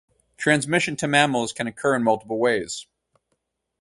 Transmission to mammals can occur in multiple ways.